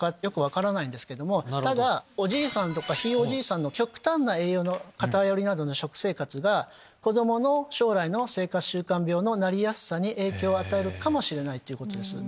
ただおじいさんとかひいおじいさんの極端な栄養の偏りなどの食生活が子供の将来の生活習慣病のなりやすさに影響を与えるかもしれないということです。